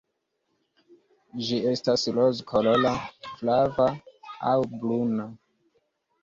Ĝi estas rozkolora, flava aŭ bruna.